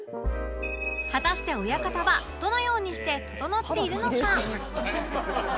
果たして親方はどのようにしてととのっているのか？